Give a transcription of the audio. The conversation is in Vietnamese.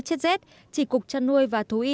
chết rết chỉ cục trăn nuôi và thú y